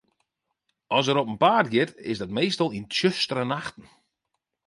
As er op 'en paad giet, is dat meastal yn tsjustere nachten.